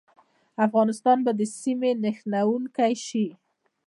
افغانستان به د سیمې نښلونکی شي؟